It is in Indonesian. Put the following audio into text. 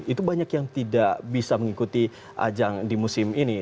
itu banyak yang tidak bisa mengikuti ajang di musim ini